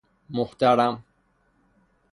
محترم